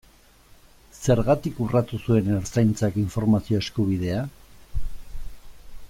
Zergatik urratu zuen Ertzaintzak informazio eskubidea?